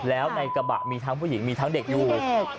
แล้วในกระบะมีทั้งผู้หญิงมีทั้งเด็กอยู่